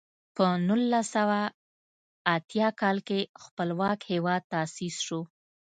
په نولس سوه اتیا کال کې خپلواک هېواد تاسیس شو.